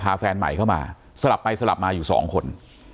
แฟนใหม่เข้ามาสลับไปสลับมาอยู่สองคน